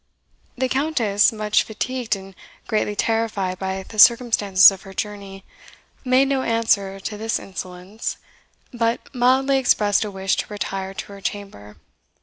The Countess, much fatigued and greatly terrified by the circumstances of her journey, made no answer to this insolence, but mildly expressed a wish to retire to her chamber.